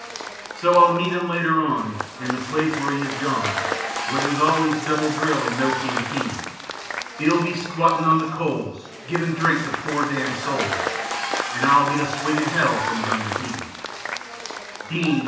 So I'll meet 'im later on At the place where 'e is gone Where it's always double drill and no canteen; 'E'll be squattin' on the coals Givin' drink to poor damned souls, An' I'll get a swig in hell from Gunga Din! Yes, Din!